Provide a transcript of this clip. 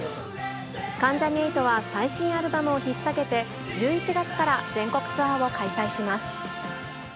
関ジャニ∞は最新アルバムをひっ提げて、１１月から全国ツアーを開催します。